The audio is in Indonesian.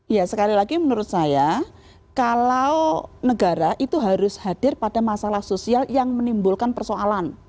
ya sekali lagi menurut saya kalau negara itu harus hadir pada masalah sosial yang menimbulkan persoalan